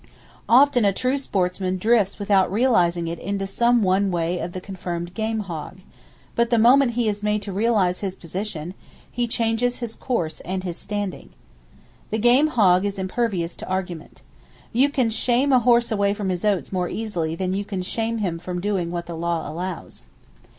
Often a true sportsman drifts without realizing it into some one way of the confirmed game hog; but the moment he is made to realize his position, he changes his course and his standing. The game hog is impervious to argument. You can shame a horse away from his oats more easily than you can shame him from doing "what the Law allows."